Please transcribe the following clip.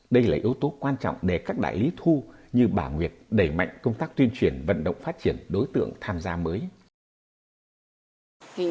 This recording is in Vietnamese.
đây là yếu tố quan trọng để các đại lý thu như bà nguyệt đẩy mạnh công tác tuyên truyền vận động phát triển đối tượng tham gia mới